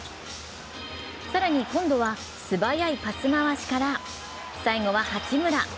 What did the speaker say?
更に今度は素早いパス回しから最後は八村。